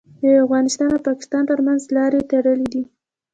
د افغانستان او پاکستان ترمنځ لارې تړلي دي.